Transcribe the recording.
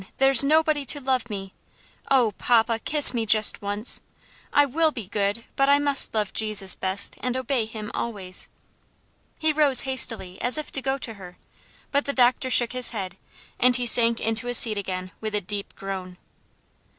There's nobody to love me. Oh, papa, kiss me just once! I will be good; but I must love Jesus best, and obey him always." He rose hastily, as if to go to her, but the doctor shook his head, and he sank into his seat again with a deep groan.